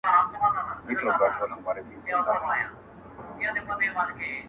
چي د ويښتانو په سرونو به يې مار وتړی_